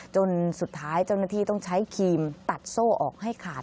จนสุดท้ายเจ้าหน้าที่ต้องใช้ครีมตัดโซ่ออกให้ขาด